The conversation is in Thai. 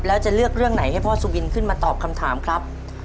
แล้วจะเลือกเรื่องไหนให้พ่อสุบินขึ้นมาตอบคำถามครับ